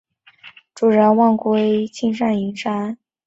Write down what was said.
绿水青山就是金山银山